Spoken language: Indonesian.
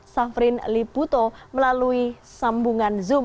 safrin liputo melalui sambungan zoom